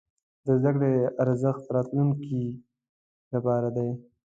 د زده کړې ارزښت د راتلونکي لپاره دی.